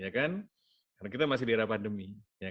karena kita masih di era pandemi